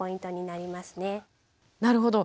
なるほど。